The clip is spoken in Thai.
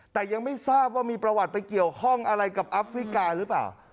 แต่ยังไม่ทราบว่ามีประวัติไปเกี่ยวข้องอะไรกับอัฟริกาหรือเปล่า